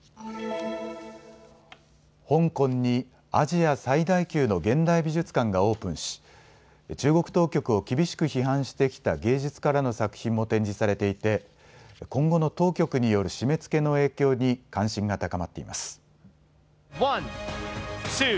香港にアジア最大級の現代美術館がオープンし中国当局を厳しく批判してきた芸術家らの作品も展示されていて今後の当局による締めつけの影響に関心が高まっています。